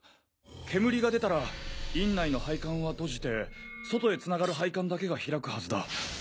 煙が出たら院内の配管は閉じて外へつながる配管だけが開くはずだ。